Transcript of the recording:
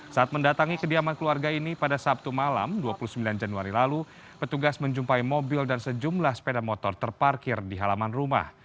saat mendatangi kediaman keluarga ini pada sabtu malam dua puluh sembilan januari lalu petugas menjumpai mobil dan sejumlah sepeda motor terparkir di halaman rumah